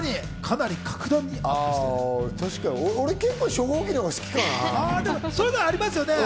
俺結構、初号機のほうが好きかな。